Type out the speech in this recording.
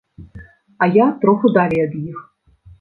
А я троху далей ад іх.